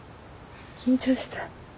緊張した。